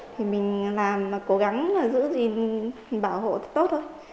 thì mình làm và cố gắng là giữ gìn bảo hộ tốt thôi